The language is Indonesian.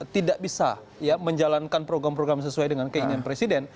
tidak bisa menjalankan program program sesuai dengan keinginan presiden